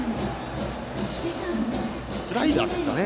スライダーですかね。